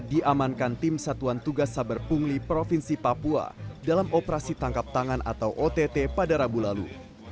diamankan tim satuan tugas saber pungli provinsi papua dalam operasi tangkap tangan atau ott pada rabu lalu